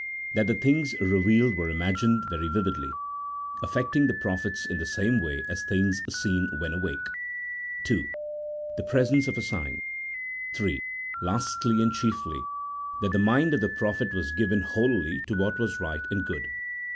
That the things revealed were imagined very vividly, affecting the prophets in the same way as things seen when awake ; 2. The presence of a sign ; 3. Lastly and chiefly, that the mind of the prophet was given wholly to what was right and good.